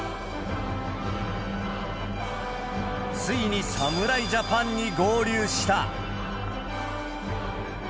ついに侍ジャパンに合流した。